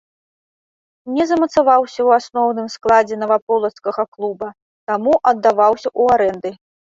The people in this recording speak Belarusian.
Не замацаваўся ў асноўным складзе наваполацкага клуба, таму аддаваўся ў арэнды.